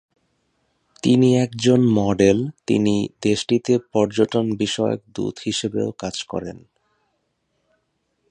তিনি একজন মডেল তিনি দেশটিতে পর্যটন বিষয়ক দূত হিসেবেও কাজ করেন।